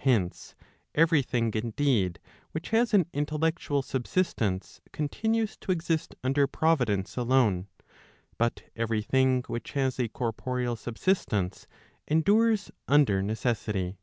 Hence, every thing indeed which has an intellectual subsistence, continues to exist under Providence alone, but every thing which has a corporeal subsistence, endures under necessity.